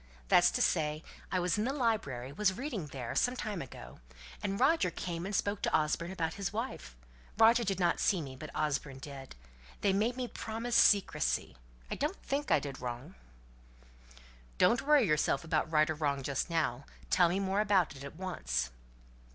That's to say, I was in the library was reading there, some time ago; and Roger came and spoke to Osborne about his wife. Roger did not see me, but Osborne did. They made me promise secrecy. I don't think I did wrong." "Don't worry yourself about right or wrong just now; tell me more about it, at once."